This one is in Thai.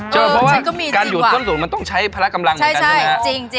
เพราะว่าการอยู่ต้นสูตรมันต้องใช้พละกำลังเหมือนกันใช่ไหมครับ